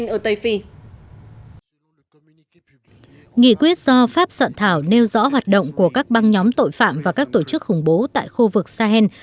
nghị quyết do pháp soạn thảo nêu rõ hoạt động của các băng nhóm tội phạm và các tổ chức khủng bố tại khu vực sahel